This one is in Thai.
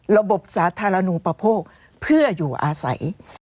ระบบสาธารณูปโภคเพื่ออยู่อาศัย